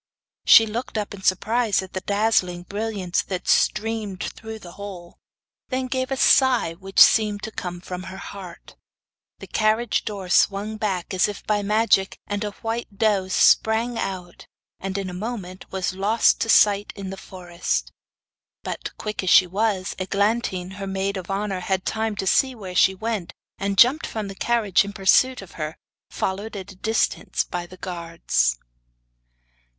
She looked up in surprise at the dazzling brilliance that streamed through the hole; then gave a sigh which seemed to come from her heart. The carriage door swung back, as if by magic, and a white doe sprang out, and in a moment was lost to sight in the forest. But, quick as she was, Eglantine, her maid of honour, had time to see where she went, and jumped from the carriage in pursuit of her, followed at a distance by the guards.